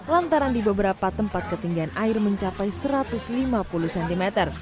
lantaran di beberapa tempat ketinggian air mencapai satu ratus lima puluh cm